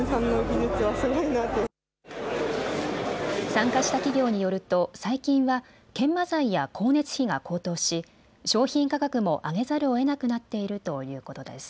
参加した企業によると最近は研磨材や光熱費が高騰し商品価格も上げざるをえなくなっているということです。